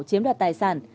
chiếm đoạt tài sản